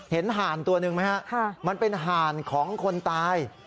ห่านตัวหนึ่งไหมฮะมันเป็นห่านของคนตาย